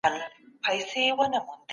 د هغې پوهنې ګټه ټولو ته رسیږي.